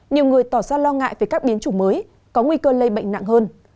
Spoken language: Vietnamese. nhiều người tỏ ra lo ngại về các biến chủng mới có nguy cơ lây bệnh nặng hơn